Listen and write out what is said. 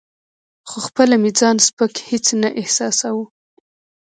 خو خپله مې ځان سپک هیڅ نه احساساوه.